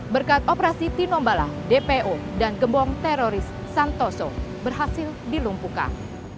berkat operasi tinombala dpo dan gembong teroris santoso berhasil dilumpuhkan